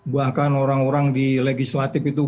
bahkan orang orang di legislatif itu